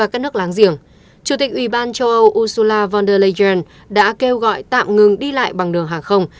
chủ tịch uban châu âu ursula von der leyen đã kêu gọi tạm ngừng đi lại bằng đường hàng không